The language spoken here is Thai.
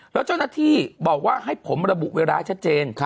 แล้วเจ้าหน้าที่บอกว่าให้ผมระบุเวลาให้ชัดเจน